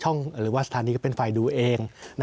ช่องกกกหรือสถานีเป็นฝ่ายดูเอง